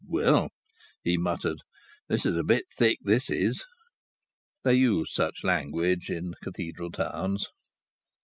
"Well," he muttered, "this is a bit thick, this is!" (They use such language in cathedral towns.)